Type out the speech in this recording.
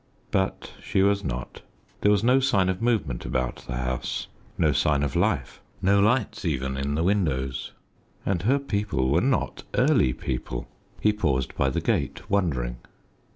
But she was not. There was no sign of movement about the house, no sign of life, no lights even in the windows. And her people were not early people. He paused by the gate, wondering.